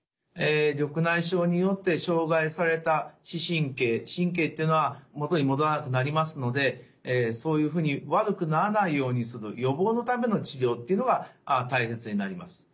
緑内障によって障害された視神経神経というのは元に戻らなくなりますのでそういうふうに悪くならないようにする予防のための治療というのが大切になります。